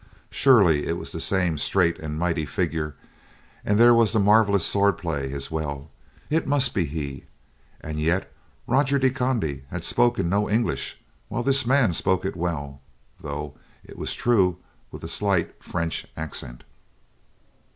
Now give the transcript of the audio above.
Surely it was the same straight and mighty figure, and there was the marvelous swordplay as well. It must be he, and yet Roger de Conde had spoken no English while this man spoke it well, though, it was true, with a slight French accent.